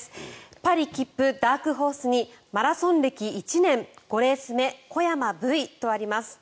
パリ切符ダークホースにマラソン歴１年５レース目、小山Ｖとあります。